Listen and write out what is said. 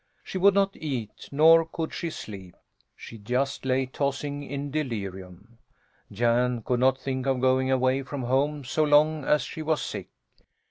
She would not eat, nor could she sleep; she just lay tossing in delirium. Jan could not think of going away from home so long as she was sick.